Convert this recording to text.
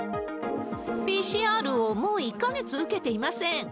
ＰＣＲをもう１か月受けていません。